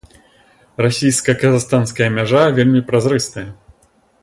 Расійска-казахстанская мяжа вельмі празрыстая.